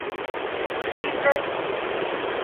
ކީއްވެ؟